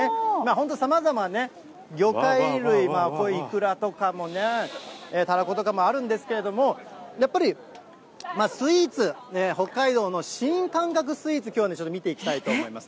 本当、さまざまね、魚介類、イクラとかも、タラコとかもあるんですが、やっぱりスイーツ、北海道の新感覚スイーツ、きょうはね、ちょっと見ていきたいと思います。